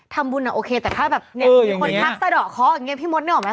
ทำบุญอ่ะโอเคแต่ถ้าแบบมีคนทักสะดอกขออย่างเงี้ยพี่มดเนี่ยออกมั้ย